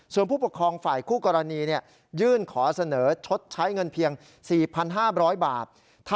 ส่วนผู้ปกครองฝ่ายคู่กรณียื่นขอเสนอชดใช้เงินเพียง๔๕๐๐บาท